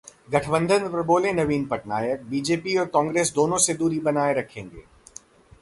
गठबंधन पर बोले नवीन पटनायक- बीजेपी और कांग्रेस दोनों से दूरी बनाए रखेंगे